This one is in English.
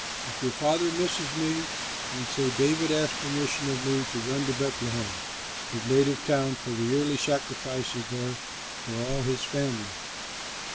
If your father misses me, then say, 'David asked permission of me to run to Bethlehem, his native town, for the yearly sacrifice is there for all his family.'